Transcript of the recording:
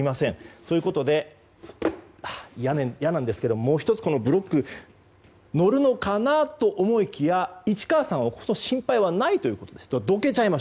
ということで、嫌なんですがもう１つ、このブロック乗るのかなと思いきや市川さんはそこは心配はないということです。